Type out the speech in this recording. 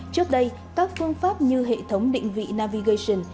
trước đây các phương pháp như hệ thống định vị navigation